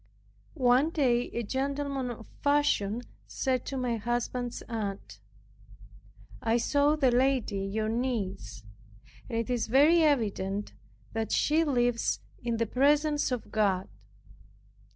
One day a gentleman of fashion said to my husband's aunt, "I saw the lady your niece; and it is very evident that she lives in the presence of God."